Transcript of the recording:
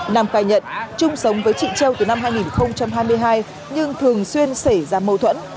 nam khai nhận chung sống với chị trâu từ năm hai nghìn hai mươi hai nhưng thường xuyên xảy ra mâu thuẫn